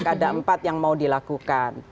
ada empat yang mau dilakukan